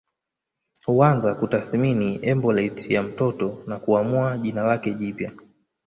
Huanza kutathimini embolet ya mtoto na kuamua jina lake jipya